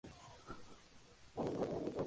Se dedica a la consultoría económica y financiera.